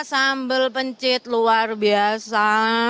sambel pencit luar biasa